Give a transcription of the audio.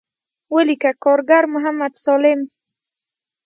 وليکه کارګر محمد سالم.